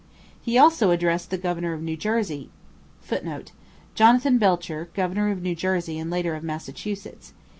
He also addressed the governor of New Jersey [Footnote: Jonathan Belcher, governor of New Jersey and later of Massachusetts.